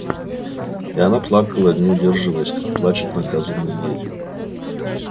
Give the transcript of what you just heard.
И она плакала, не удерживаясь, как плачут наказанные дети.